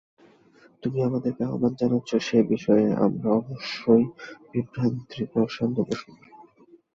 তুমি আমাদেরকে আহ্বান জানাচ্ছ, সে বিষয়ে আমরা অবশ্যই বিভ্রান্তিকর সন্দেহ পোষণ করি।